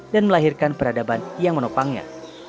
dan melahirkan peradaban yang menopangnya